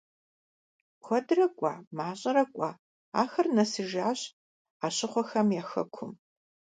Куэдрэ къэкӀуа, мащӀэрэ къэкӀуа, ахэр нэсыжащ Ӏэщыхъуэхэм я хэкум.